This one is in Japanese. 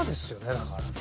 だからね。